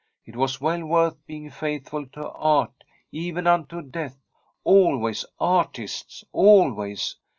It was well worth being faithful to Art, even unto death. Always artists — always.